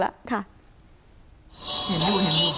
เห็นดู